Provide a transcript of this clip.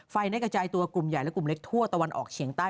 ได้กระจายตัวกลุ่มใหญ่และกลุ่มเล็กทั่วตะวันออกเฉียงใต้